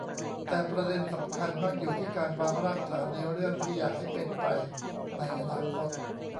แต่ประเด็นสำคัญมักอยู่ที่การวางรากฐานในเรื่องที่อยากให้เป็นไปในอนาคต